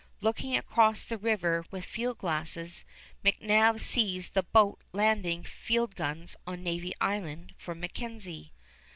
Looking across the river with field glasses, McNab sees the boat landing field guns on Navy Island for MacKenzie.